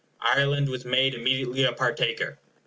Ireland was made immediately a partaker.